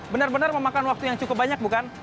benar benar memakan waktu yang cukup banyak bukan